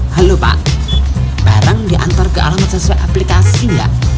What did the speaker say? halo pak barang diantar ke alamat sesuai aplikasi nggak